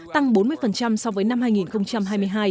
tăng bốn mươi so với năm hai nghìn hai mươi hai